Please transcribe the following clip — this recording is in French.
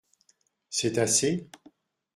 C’est assez ?